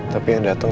tapi yang datang